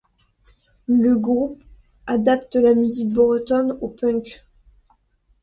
Le groupe adapte la musique bretonne au punk.